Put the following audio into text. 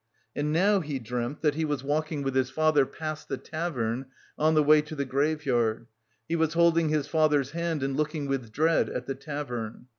And now he dreamt that he was walking with his father past the tavern on the way to the graveyard; he was holding his father's hand and looking with dread at the tavern.